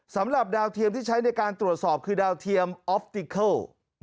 สำหรับดาวเทียมที่ใช้ในการตรวจสอบคือดาวเทียมออฟติเคิล